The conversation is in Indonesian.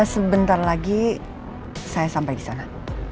sebentar lagi saya sampai di sana